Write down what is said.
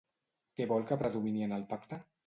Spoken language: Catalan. Què vol que predomini en el pacte?